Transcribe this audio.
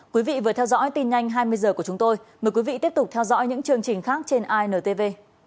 cảm ơn các bạn đã theo dõi và hẹn gặp lại trong các chương trình khác trên intv